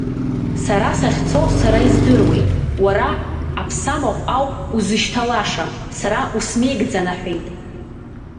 Сара сахьцо сара издыруеит, уара аԥсамахә ауп узышьҭалаша, сара усмеигӡан аҳәеит.